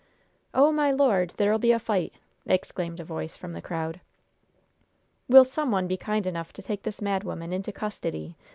"Oh, my Lord, there'll be a fight!" exclaimed a voice from the crowd. "Will some one be kind enough to take this mad woman in custody?"